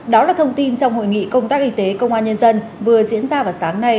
đó là thông tin trong hội nghị công tác y tế công an nhân dân vừa diễn ra vào sáng nay